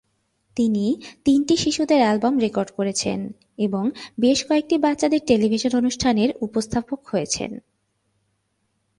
তিনি তিনটি শিশুদের অ্যালবাম রেকর্ড করেছেন এবং বেশ কয়েকটি বাচ্চাদের টেলিভিশন অনুষ্ঠান এর উপস্থাপক হয়েছেন।